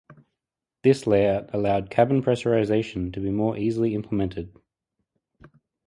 This layout allowed cabin pressurization to be more easily implemented.